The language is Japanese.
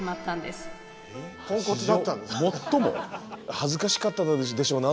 恥ずかしかったでしょうね